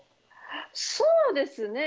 そうですね。